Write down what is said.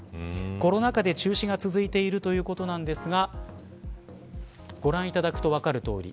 コロナ禍で中止が続いているということなんですがご覧いただくと分かる通り